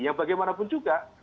yang bagaimanapun juga